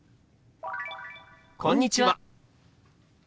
「こんにちは」。